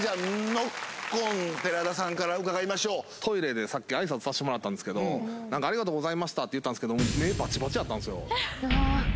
ノッコン寺田さんから伺いましょうトイレでさっき挨拶させてもらったんですけど何かありがとうございましたって言ったんですけどやったんですよ